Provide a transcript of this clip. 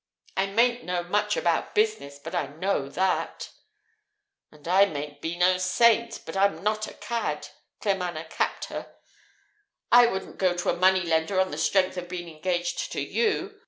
I mayn't know much about business, but I know that!" "And I mayn't be a saint, but I'm not a cad," Claremanagh capped her. "I wouldn't go to a money lender on the strength of being engaged to you.